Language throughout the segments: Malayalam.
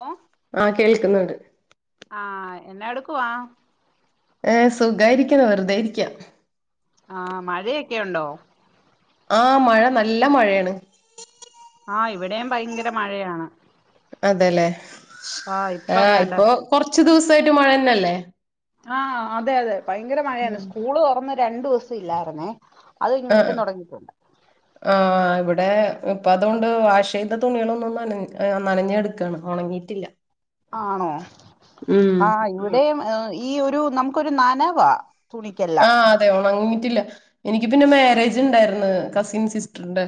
ഓ ആഹ് കേൾക്കുന്നുണ്ട്. ആഹ് എന്നാ എടുക്കുവാ? ഏഹ് സുഖായിരിക്കുന്നു വെറുതെ ഇരിക്ക. ആഹ് മഴയൊക്കെ ഉണ്ടോ? ആഹ് മഴ നല്ല മഴയാണ്. ആഹ് ഇവിടെം ഭയങ്കര മഴയാണ്. അതെല്ലേ ആ ഇപ്പ ആഹ് എന്താണ്ട് ഇപ്പൊ കൊറച്ച് ദിവസായിട്ട് മഴയെന്നയല്ലേ ആഹ് അതെ അതെ ഭയങ്കര മഴയാണ് സ്കൂള് തൊറന്ന് രണ്ടു ദിവസം ഇല്ലായിരുന്നേ അത് കഴിഞ്ഞ് ആഹ് വീണ്ടും തൊടങ്ങി ഇപ്പം ആഹ് ഇവിടെ ഇപ്പ അതുകൊണ്ട് വാഷെയ്ത തുണികളൊന്നും നനഞ്ഞ് ആഹ് നനഞ്ഞ് കെടക് ക്കാണ് ഒണങ്ങിയിറ്റില്ലാ ആണോ ആഹ് ഇവിടെയും ഈ ഒരു നമക്കൊരു നനവാ തുണിക്കെല്ലാം ആഹ് അതെ ഒണങ്ങിയിറ്റില്ലാ എനിക്ക് പിന്നെ മാരേജ് ഉണ്ടായിരുന്നു കസിൻ സിസ്റ്ററിന്റെ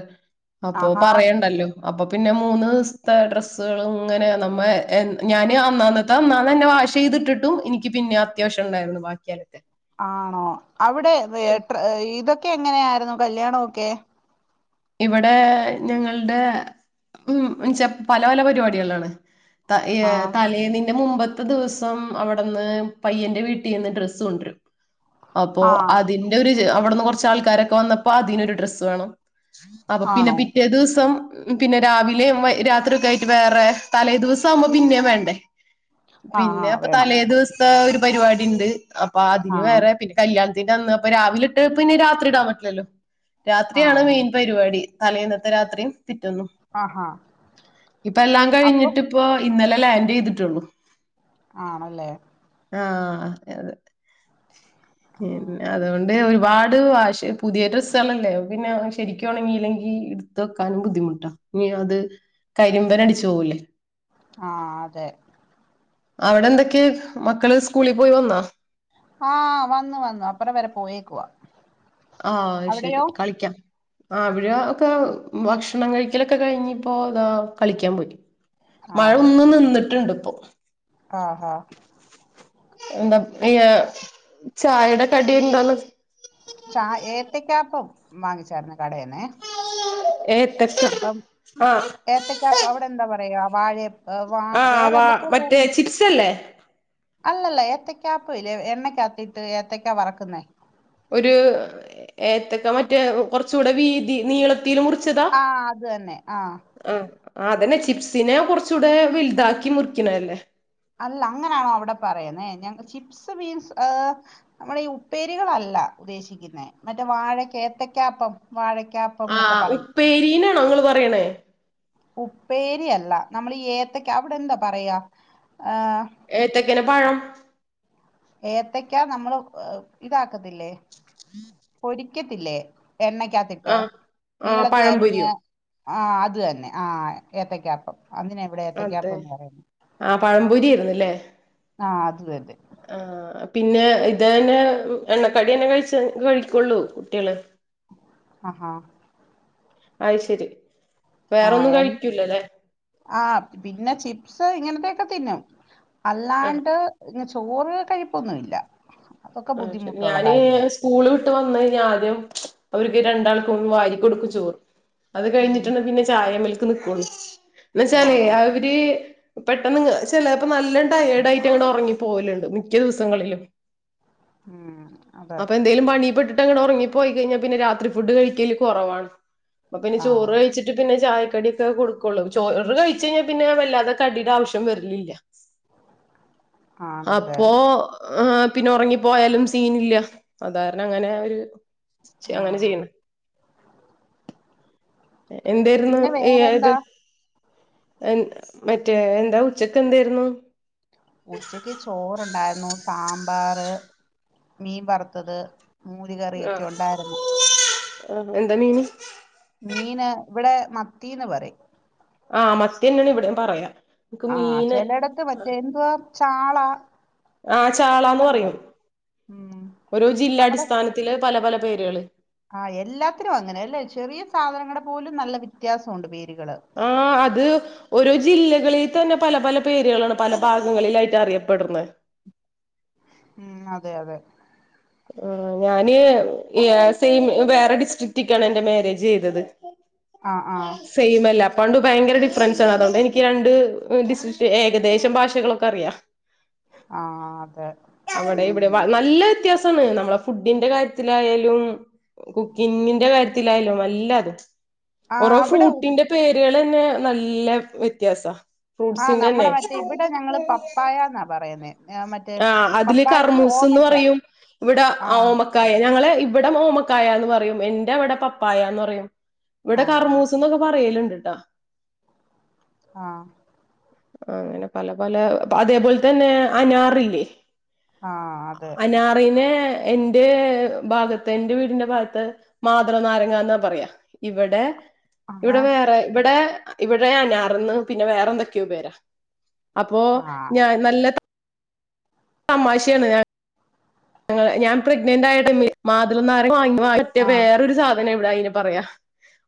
അപ്പൊ ആഹാ പറയണ്ടല്ലോ അപ്പൊ പിന്നെ മൂന്ന്സ്ത്തെ ഡ്രസ്സുകള് ഇങ്ങനെ നമ്മ എൻ ഞാന് അന്നാന്ന് അത് അന്നാന്ന് തന്നെ വാഷ് ചെയ്തിട്ടിട്ടും ഇനിക്ക് പിന്നെ അത്യാവശ്യം ഇണ്ടായിരുന്നു ബാക്കിയലക്കാൻ ആണോ അവിടെ ഏഹ് ട്രെ ഇതൊക്കെ എങ്ങനെയായിരുന്നു കല്യാണൊക്കെ? ഇവിടെ ഞങ്ങൾടെ ഉം ഇച്ചാ പല പല പരിപാടികളാണ് ത ആ ഏഹ് തലേന്നിന്റെ മുമ്പത് ത്ത ദിവസം അവിടുന്ന് പയ്യന്റെ വീട്ടീന്ന് ഡ്രസ്സ് കൊണ്ടരും അപ്പോ ആ അതിൽ [unintelligible] അവിടുന്ന് കൊറച്ച് ആൾക്കാരൊക്കെ വന്നപ്പോ അതിനൊരു ഡ്രസ്സ് വേണം അപ്പൊ പിന്നെ ആണോ പിറ്റേ ദിവസം പിന്നെ രാവിലേം വയ് രാത്രി ഒക്കെ ആയിട്ട് വേറെ തലേദിവസം ആവുമ്പോ പിന്നേം വേണ്ടേ ആ ആ പിന്നെ അപ്പൊ വേണം തലേ വേണം ദിവസത്തെ ഒരു പരിപാടി ഇണ്ട് അപ്പൊ ആ അതിന് വേറെ പിന്നെ കല്യാണത്തിന്റെ അന്ന് അപ്പൊ രാവിലെ ഇട്ട് പിന്നെ രാത്രി ഇടാൻ പറ്റില്ലല്ലോ ആ രാത്രിയാണ് മെയിൻ പരിപാടി തലേയിന്നത്തെ രാത്രിയും പിറ്റെന്നും ആഹാ ഇപ്പം എല്ലാം അപ്പൊ കഴിഞ്ഞിട്ട് ഇപ്പൊ ഇന്നലെ ലാൻഡ് ചെയ്തിട്ടേള്ളു ആണല്ലേ ആഹ് അതെ അതെ ആ പിന്നാ അതുകൊണ്ട് ഒരുപാട് വാഷി പുതിയ ഡ്രസ്സേളല്ലേ അപ്പ പിന്നെ ശരിക്കും ക്ക് ഒണങ്ങിയില്ലെങ്കി ഇടുത്ത് വെക്കാനും ബുദ്ധിമുട്ടാ ഇനി അത് കരിമ്പനടിച്ച് പോവൂലേ ആഹ് അതെ അവിടെ എന്തൊക്കെ മക്കള് സ്കൂളിൽ പോയി വന്നാ? ആഹ് വന്നു വന്നു അപ്പറം വരെ പോയേക്കുവാ ആഹ് അയ് ശരി അവിടെയോ കളിക്കാം ആഹ് അവര് ഒക്കെ ഭക്ഷണം കഴിക്കലൊക്കെ കഴിഞ്ഞിപ്പോ ഇതാ കളിക്കാൻ പോയി മഴ ഒന്ന് നിന്നിട്ടുണ്ട് ഇപ്പോ ആഹ് ആഹ് എന്താ ഈ ചായേടെ കടി എന്താണ്? ചാ ഏത്താക്കാപ്പം വാങ്ങിച്ചാര്ന്നു കടേന്നെ ഏത്തെക്കാ അപ്പം ആഹ് ഏത്തക്കാപ്പം അവിടെ എന്താ പറയാ വാഴയപ് ആഹ് വാ മറ്റേ ചിപ്സല്ലേ അല്ലല്ലാ ഏത്തക്കാപ്പ ഇല്ലേ എണ്ണക്കാത്തിട്ട് ഏത്തക്കാ വറക്കുന്നേ ഒരു ഏത്തക്കാ മറ്റേ കൊറച്ചൂടെ വീതി നീളത്തിൽ മുറിച്ചതാ ആഹ് അത് തന്നെ ആഹ് ആഹ് അതന്നെ ചിപ്സിനെ കൊറച്ചൂടെ വലുതാക്കി മുറിക്കണെ അല്ലേ അല്ലാ അങ്ങനാണോ അവിടെ പറയുന്നേ ഞങ്ങ് ചിപ്സ് മീൻസ് ഏഹ് നമ്മളെ ഈ ഉപ്പേരികളല്ലാ ഉദ്ദേശിക്കുന്ന മറ്റേ വാഴക്ക ഏത്തക്കാപ്പം വാഴക്കാപ് ആഹ് ഉപ്പേരീനാണോ ഇങ്ങള് പറയണേ ഉപ്പേരിയല്ല നമ്മള് ഈ ഏത്തക്ക അവിടെ എന്താ പറയാ? ഏഹേ ഏത്തക്കേനെ പഴം ഏത്തക്കാ നമ്മള് ഇതാക്കത്തില്ലേ? പൊരി ക്കത്തില്ലേ എണ്ണക്കാത്തിട്ട് ആഹ് ആഹ് നീളത്തി അരിഞ്ഞ് പഴംപൊരിയോ ആഹ് അത് തന്നെ ആ ഏത്തയ്ക്കപ്പം അതിനെ ഇവിടെ അതെ ഏത്തക്കപ്പം എന്ന് പറയുന്നെ ആഹ് പഴംപൊരിയേര്ന്ന് ല്ലേ? ആഹ് അത് തന്നെ ആഹ് പിന്നെ ഇത് തന്നെ എണ്ണക്കടിയന്നെ കഴിച്ച കഴിക്കൊള്ളൂ കുട്ടിയള്? ആഹാ അഹ് ശരി ആഹ് വേറൊന്നും എൻ കഴിക്കൂലല്ലേ? ആഹ് പിന്നെ ചിപ്സ് ഇങ്ങനത്തെയൊക്കെ തിന്നും ആഹ് അല്ലാണ്ട് ചോറ് കഴിപ്പൊന്നുവില്ല അഹ് ശരി ഞാന് സ്കൂള് വിട്ട് വന്ന് കഴിഞ്ഞാ ആദ്യം അവർക്ക് രണ്ടാൾക്കും ഒന്ന് വാരി കൊടുക്കും ചോറ് അത് ഉം കഴിഞ്ഞിട്ടാണ് പിന്നെ ചായേമൽക്ക് നിക്കൊള്ളു എന്ന് വെച്ചാലെ ഉം അവര് ര് പെട്ടെന്ന് ചെലേപ്പോ നല്ലോം ടയേഡായിട്ട് അങ്ങട്ട് ഒറങ്ങി പോകല്ണ്ട് മിക്ക ദിവസങ്ങളിലും ആഹ് അപ്പൊ എന്തേലും പണിപ്പെട്ടിട്ടങ്ങട്ട് ഒറങ്ങിപ്പോയി കഴിഞ്ഞാ പിന്നെ രാത്രി ഫുഡ് കഴിക്കല് കൊറവാണ് അപ്പൊ പിന്നെ ചോറ് ആഹ് കഴിച്ച് ട്ട് പിന്നെ ചായക്കടിയൊക്കെ കൊടുക്കൊള്ളൂ ചോറ് കഴിച്ച് കഴിഞ്ഞാ പിന്നെ വല്ലാതെ കടിയുടെ ആവിശ്യം വര്ലില്ല ആണല്ലേ അപ്പോ ആഹ് പിന്നെ ഒറങ്ങിപ്പോയാലും സീനില്ല അത് കാരണം അങ്ങനെ ഒരു അങ്ങനെ ആഹ് ചെയ്യ്ന്നെ എന്തേരുന്നു പിന്നെ വേറെന്താ ഇയായത്? മറ്റേ എന്താ ഉച്ചക്കെന്തേരുന്നു? ഉച്ചക്ക് ചോർണ്ടായിരുന്നു സാമ്പാറ്, മീൻ വറുത്തത് മൂര് കറിയൊക്കെ ആഹ് ഉണ്ടായിരുന്നു ആഹ് എന്താ മീന്? മീന് ഇവടെ മത്തീന്ന് പറയും ആഹ് മത്തിയെന്നെയാണ് ഇവിടെം പറയാ ഇക്ക് ആഹ് മീന് ചെലടത്ത് മറ്റേ എന്തുവാ ചാള ആ ചാളാന്ന് പറയും ഉം ഒരോ ജില്ലാ നമ്മടെ അടിസ്ഥാനത്തില് പല പല പേരുകള് ആഹ് എല്ലാത്തിനും അങ്ങനെ അല്ലെ? ചെറിയ സാധനങ്ങള് പോലും നല്ല വ്യത്യാസം ഒണ്ട് പേരുകള് ആഹ് അത് ഓരോ ജില്ലകളി തന്നെ പല പല പേരുകളാണ് പല ഭാഗങ്ങളിലായിട്ട് അറിയപ്പെട്ണെ ഉം അതെ അതെ ആഹ് ഞാന് സെയിം വേറെ ഡിസ്ട്രിക്റ്റ്ക്കാണ് എന്റെ മാരേജ് ചെയ്തത് ആഹ് ആഹ് ആഹ് സെയിമല്ല അപ്പ അഹോണ്ട് ഭയങ്കര ഡിഫറൻസാണ് അതുകൊണ്ട് എനിക്ക് രണ്ട് ഡിസ്‌ട്രിക്റ്റ് ഏകദേശം ഭാഷകളൊക്കെ അറിയാ ആഹ് അതെ അവിടെ ഇവിടെ ഉം നല്ല വ്യത്യാസ ണ് നമ്മളെ ഫുഡിന്റെ കാര്യത്തിലായാലും കുക്കിങ്ങിന്റെ കാര്യത്തിലായലും എല്ലാതും ആഹ് ഓരോ അവിടെ ഫ്രൂട്ടിന്റെ പേരുകളന്നെ നല്ല വ്യത്യാസ ഫ്രൂട്ട്സിന്റെന്നെ ന്നാ പറയുന്നേ ഏഹ് ആഹ് അതില് കർമൂസ്ന്ന് പറയും. ഇവിടെ ആഹ് ഓമ ക്കായ ഞങ്ങള് ഇവിടെ ഓമക്കായ എന്ന് പറയും. എന്റെ അവിടെ പപ്പായാന്ന് പറയും. ഇവിടെ ആഹ് കർമൂസ്ന്നൊക്കെ പറയലുണ്ട്ട്ടാ. ആഹ്. അങ്ങനെ പല പല അതേപോലെ തന്നെ അനാറില്ലേ? ആഹ് അതെ അനാറിനെ എന്റെ ഭാഗത്ത് എന്റെ വീടിന്റെ ഭാഗത്ത് മാതളനാരങ്ങാന്നാ പറയാ. ഇവിടെ ആഹാ ഇവിടെ വേറെ ഇവിടെ ഇവിടെ അനാർന്ന് പിന്നെ വേറെന്തൊക്കെയോ പേരാ. അപ്പോ ആഹ് ഞാൻ നല്ല തമാശയാണ് ഞാൻ ഞാൻ പ്രെഗ്നന്റായ ടൈമില് മാതള നാരങ്ങ വാങ്ങിയ മറ്റേ ആഹ് വേറൊരു സാധനാ ഇവിടെ അയിന് പറയാ.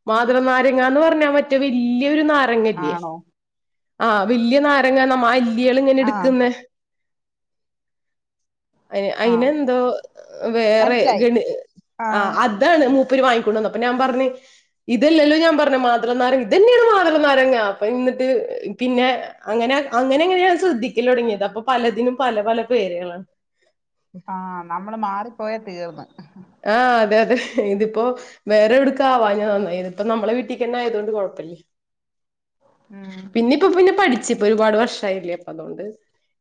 മാതള നാരങ്ങാന്ന് പറഞ്ഞാ മറ്റേ വല്ല്യൊരു നാരങ്ങയില്ലേ. ആണോ ആഹ് വല്യ നാരങ്ങ നമ്മ അല്ലികൾ ഇങ്ങനെ ആഹ് എടുക്കുന്നെ. അയിന് ആഹ് എന്തോ വേറെ മനസ്സിലായി ഗണി ആഹ് അ താണ് മൂപ്പര് വാങ്ങിക്കൊണ്ടന്ന്. അപ്പൊ ഞാൻ പറഞ്ഞ് ഇതല്ലല്ലോ ഞാൻ പറഞ്ഞെ മാതളനാരങ്ങ ഇതന്നെയാണ് മാതളനാരങ്ങ. അപ്പം എന്നിട്ട് പിന്നെ അങ്ങനെ അങ്ങനെ ഇങ്ങനെയാണ് ഞാൻ ശ്രദ്ധിക്കലൊടങ്ങിയത്. അപ്പൊ പലതിനും പല പല പേരുകളാണ്. ആഹ് നമ്മള് മാറിപ്പോയ തീർന്ന്. ആഹ് അതെ അതെ. ഇതിപ്പോ വേറെ എവിടുക്കാവാഞ്ഞത് നന്നായി. ഇത്പ്പം നമ്മളെ വീട്ടിക്ക് തന്നെ ആയതോണ്ട് കുഴപ്പല്ല. ഉം ഇനിയിപ്പ പിന്നെ പഠിച്ച്. ഇപ്പൊ ഒരുപാട് വർഷം ആയില്ലേ അപ്പൊ അതൊണ്ട്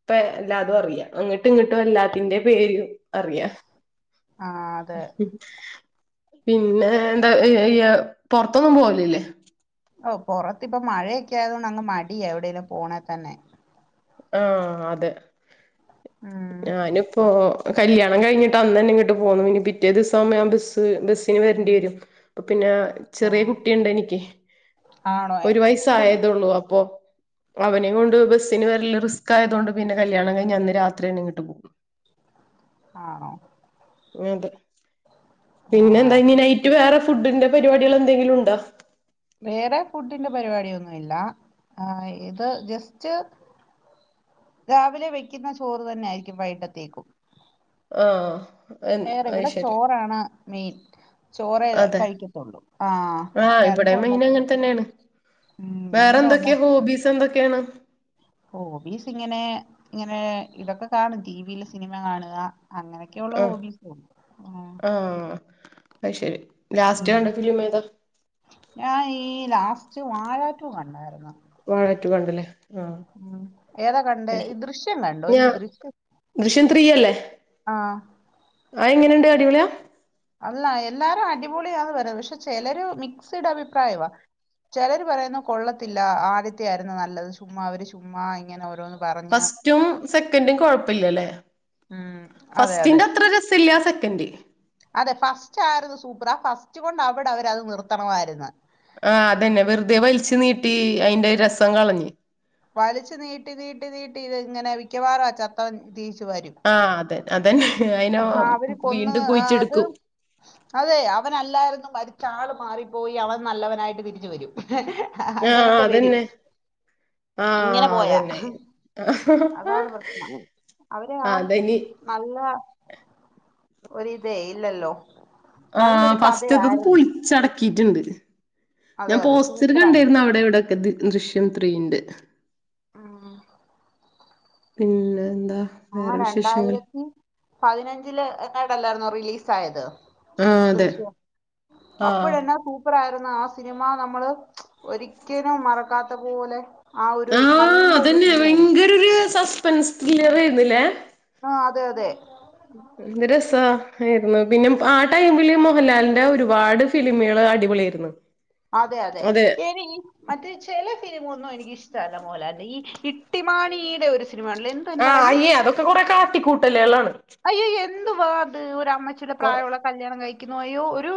ഇപ്പം എല്ലാതും അറിയാം. അങ്ങിട്ടും ഇങ്ങിട്ടും എല്ലാത്തിന്റെ പേരും അറിയാം. ആഹ് അതെ [inaudible] പിന്നെ എന്താ ഇയ്യ് പുറത്തൊന്നും പോവലില്ലേ? ഓഹ് പുറത്തിപ്പം മഴയൊക്കെ ആയതോണ്ട് അങ്ങ് മടിയാ എവിടെങ്കിലും പോണേ തന്നെ. ആഹ് അതെ ഉം ഞാനിപ്പോ കല്യാണം കഴിഞ്ഞിട്ട് അന്ന് തന്നെ ഇങ്ങട്ട് പോന്നു. പിന്നെ ഇനി പിറ്റേ ദിവസം ഞാൻ ബസ്സ് ബസ്സിന് വരണ്ടി വരും. അപ്പം പിന്നെ ചെറിയ ആഹ് കുട്ടിയുണ്ട് എനിക്ക്. ആണോ ഒരു കു വയസായതുള്ളൂ. അപ്പൊ അവനെയും കൊണ്ട് ബസ്സിന് വരല് റിസ്ക് ആയതോണ്ട് പിന്നെ കല്യാണം കഴിഞ്ഞന്ന് രാത്രി തന്നെ ഇങ്ങട്ട് പോന്നു. ആണോ. അതെ. പിന്നെ എന്താ ആഹ് ഇനി നൈറ്റ് വേറെ ഫുഡിന്റെ പരിപാടികൾ എന്തെങ്കിലുണ്ടാ? വേറെ ഫുഡിന്റെ പരിപാടിയൊന്നും ഇല്ല. ആഹ് ഇത് ജസ്റ്റ് രാവിലെ വെക്കുന്ന ചോറ് തന്നായിരിക്കും വൈകിട്ടത്തേക്കും. ആഹ് വേറെ അത് ഇവിടെ ശരി ചോറാണ് മെയിൻ. ചോറെ അതെ കഴിക്കത്തുള്ളൂ. ആഹ് വേറെ എന്താ ഉണ്ടാക്കിയ തന്നാണ് വേറെ എന്തൊക്കെയാ ഉണ്ടാക്കി ഹോബീസ് എന്തൊക്കെയാണ്? ഹോബീസ് ഇങ്ങനെ ഇങ്ങനെ ഇതൊക്കെ കാണും. ടി വി യില് സിനിമ കാണുക അങ്ങനെ ക്കെയുള്ളു ആഹ് ഹോബിസ്. ആഹ് ആഹ് അത്ശരി. ലാസ്റ്റ് ഉം കണ്ട ഫിലിം ഏതാ? ഞാൻ ഈ ലാസ്റ്റ് വാഴാ ടു കണ്ടായിരുന്ന്. വാഴ ടു കണ്ടല്ലേ. ആഹ് ഉം ഏതാ കണ്ടേ ഈ ദൃശ്യം കണ്ടോ എനിക്ക് ദൃശ്യം പിയല്ലേ. ആഹ്. അയ് എങ്ങനെണ്ട് അടിപൊളിയാ അല്ല എല്ലാരും അടിപൊളിയാന്ന് വര പക്ഷെ ചിലര് മിക്സഡ് അഭിപ്രായവാ ചിലര് പറയുന്നു കൊള്ളത്തില്ല ആദ്യത്തെ ആയിരുന്നു നല്ലത് ചുമ്മാ അവര് ചുമ്മാ ഇങ്ങനെ ഓരോന്ന് പറഞ്ഞ് ഫസ്റ്റും സെക്കൻ്റും കൊഴപ്പില്ലല്ലേ ഉം അതെ അതെ ഫസ്റ്റിന്റത്ര രസ ഇല്ല സെക്കൻ്റ് അതെ ഫസ്റ്റ് ആരുന്നു സൂപ്പർ ആ ഫസ്റ്റ് കൊണ്ട് അവിടെ അവര് അത് നിർത്തണമായിരുന്ന്. ആ അതന്നെ വെറുതെ വലിച്ചു നീട്ടി അയിന്റെ രസം കളഞ്ഞ്. വലിച്ചു നീട്ടി നീട്ടി നീട്ടി ഇത് ഇങ്ങനെ മിക്കവാറും ചത്തവൻ തിരിച്ചു വരും. ആഹ് അതെ അതന്നെ അയിന ആ, അവര് കൊന്ന് വീണ്ടും ആ, അത് കുഴിച്ചിട്ക്കും അതെ അവനല്ലായിരുന്നും മരിച്ച ആള് മാറിപ്പോയി അവൻ നല്ലവനായിട്ട് തിരിച്ചു വരും. ആഹ് അങ്ങനൊക്കെ വരും അതന്നെ ഇങ്ങനെ ആഹ് പോയാ അതന്നെ ആ അതാണ് പ്രശ്നം. അവര് ആ അതനി നല്ല ഒര് ഇതേ ഇല്ലല്ലോ ആ നല്ലൊരു ഫസ്റ്റത്തതും കഥയായിരുന്നു പൊളിച്ചട ‌ക്കിട്ടുണ്ട് ഞാൻ അതെ അതെ പോസ്റ്റർ സൂപ്പറായിരുന്നു കണ്ടായിരുന്നു അവിടെ ഇവിടെക്കെ ദൃശ്യം ത്രീന്റെ. ആഹ് പിന്നെ എന്താ ആ വേറെ വിശേഷങ്ങൾ രണ്ടായിരത്തി പതിനഞ്ചില് എങ്ങാണ്ടല്ലായിരുന്നോ റിലീസ് ആയത് ആ അതെ ദൃശ്യം ആ അപ്പഴെന്നാ സൂപ്പ പ്പറായിരുന്നു ആ സിനിമ നമ്മള് ഒരിക്കലും മറക്കാത്ത പോലെ. ആ ഒരു നല്ല ഒരു ഫീലായിരുന്നു സ്പെൻസ് ത്രില്ലർ ആയിരുന്നില്ലേ ആ അതെ അതെ ഉം എന്ത് രസായിരുന്നു പിന്നെ ആ ടൈമില് മോഹൻലാലിന്റെ ഒരുപാട് ഫിലിമുകള് അടിപൊളി ആയിരുന്നു അതെ അതെ എനിക്ക് മറ്റേ ചെല സിനിമയൊന്നും എനിക്ക് ഇഷ്ടല്ല മോഹൻലാലിന്റെ ഈ ഇട്ടിമാണീടെ ഒരു സിനിമണ്ടല്ലേ ആഹ് അയ്യേ അതൊക്കെ കൊറെ കാട്ടിക്കൂട്ടലുകളാണ് അയ്യയ്യോ എന്തുവാ അത് ഒരു അമ്മച്ചിയുടെ കൊറ പ്രായമുള്ള കല്യാണം കഴിക്കുന്നു അയ്യോ ഒരു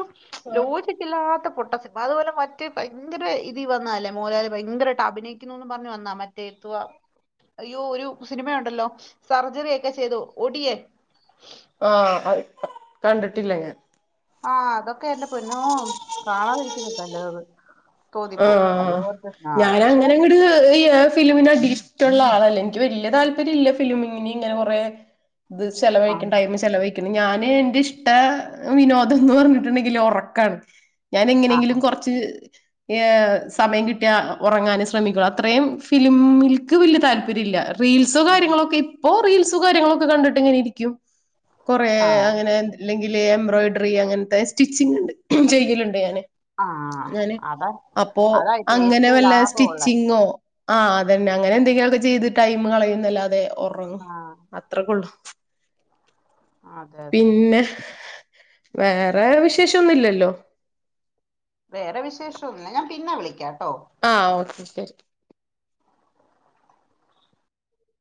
ആ ലോച ല്ലാത്ത പൊട്ട സിനിമ അതുപോലെ മറ്റേ ഭയങ്കര ഇതി വന്നാലേ മോഹൻലാല് ഭയങ്കരാട്ട് അഭിനയിക്കുന്നുന്ന് പറഞ്ഞു വന്ന മറ്റ ന്തുവാ അയ്യോ ഒരു സിനിമയൊണ്ടല്ലോ സർജറി ഒക്കെ ചെയ്തു ഒടിയൻ ആഹ് അത് കണ്ടിട്ടില്ല ഞാൻ ആഹ് അതൊക്കെ എന്റെ പൊന്നോ കാണാതിരിക്കുന്നതാ നല്ലത് തോന്നിപ്പോ ആഹ് അതുപോലത്തെ നാളെ ഞാന് പക്ഷെ അങ്ങനെങ്ങട് ഈ ഫിലിമിന് അടിഷനുള്ള ആളല്ല എനിക്ക് വല്യ താല്പര്യല്ല ഫിലിമിങ്ങിന് ഇങ്ങനെ കുറെ ഇത് ആ ചെലവയിക്കാൻ ടൈമ് ചെലവയ് ഞാന് എന്റെ ഇഷ്ട വിനോദംന്ന് പറഞ്ഞിട്ടുണ്ടെങ്കില് ഉറക്കാണ് ഞാൻ ആ എങ്ങനെങ്കിലും കുറച്ച് സമയം കിട്ടിയ ഉറങ്ങാനെ ശ്രമിക്കുള്ളൂ അത്രയും ഫിലിമിൽക്ക് വലിയ താല്പര്യല്ല പറ റീൽസും കാര്യങ്ങളൊക്കെ, ഇപ്പൊ റീൽസും കാര്യങ്ങളൊക്കെ കണ്ടിട്ട് ഇങ്ങനെ ഇരിക്കും. കൊറേ ആ അങ്ങനെ അല്ലെങ്കില് എംബ്രോയിഡറി അങ്ങനത്തെ സ്റ്റിച്ചിങ് ചെയ്യലുണ്ട് ഞാന് ആഹ ഞാന് അതാ അപ്പോ അതായിട്ട് അങ്ങനെ ഏറ്റവും വല്ല ലാഭമുള്ള സ്റ്റിച്ചിങ് നോ ആ അതന്നെ അങ്ങനെ എന്തെക്കെ ചെയ്ത് ടൈ കളയുന്നല്ലാതെ ആ ഉറങ്ങുംഅദ് അത്ര കൊള്ളു അതെ അതെ അതെ പിന്നെ വേറെ വിശേഷം ഒന്നുമില്ലല്ലോ? വേറെ വിശേഷംന്നില്ല ഞാൻ പിന്നെ വിളിക്കാംട്ടോ. ആ ഓക്കെ